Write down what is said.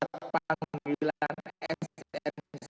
adalah kasus yang berbeda dengan surat panggilan sns